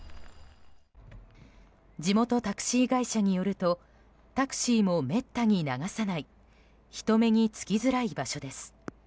地元タクシー会社によるとタクシーもめったに流さない人目に付きづらい場所です。